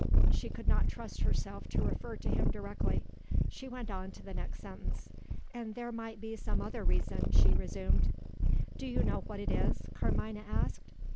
She could not trust herself to refer to him directly; she went on to the next sentence. "And there might be some other reason," she resumed. "Do you know what that is?" Carmina asked.